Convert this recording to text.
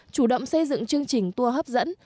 chủ động xây dựng chương trình tour hấp dẫn